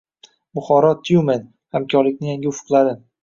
Buxoro – Tyumen: hamkorlikning yangi ufqlari